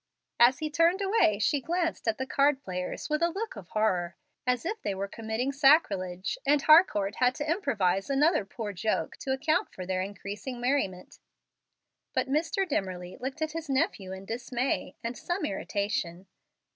As he turned away, she glanced at the card players with a look of horror, as if they were committing sacrilege, and Harcourt had to improvise another poor joke to account for their increasing merriment. But Mr. Dimmerly looked at his nephew in dismay and some irritation.